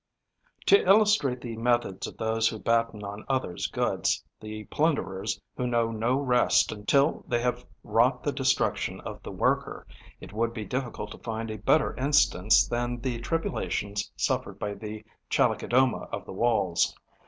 To illustrate the methods of those who batten on others' goods, the plunderers who know no rest till they have wrought the destruction of the worker, it would be difficult to find a better instance than the tribulations suffered by the Chalicodoma of the Walls.